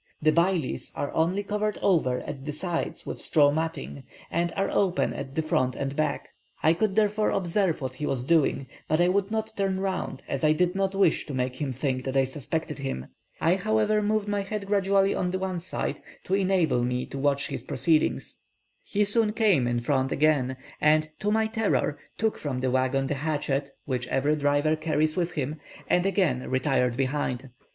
The bailis are only covered over at the sides with straw matting, and are open at the front and back; I could therefore observe what he was doing, but I would not turn round, as I did not wish to make him think that I suspected him. I, however, moved my head gradually on one side to enable me to watch his proceedings. He soon came in front again, and, to my terror, took from the waggon the hatchet which every driver carries with him, and again retired behind.